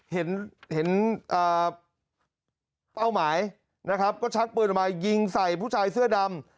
เห็นเป้าหมายนะครับก็ชักปืนออกมายิงใส่ผู้ชายเสื้อดำ